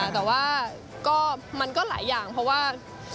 แต่ว่ามันก็หลายอย่างเพราะว่า